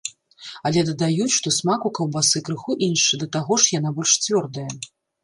Але дадаюць, што смак у каўбасы крыху іншы, да таго ж, яна больш цвёрдая.